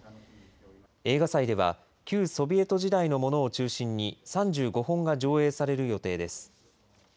映画祭では、旧ソビエト時代のものを中心に、３５本が上映される予定です。